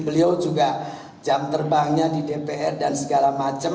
beliau juga jam terbangnya di dpr dan segala macam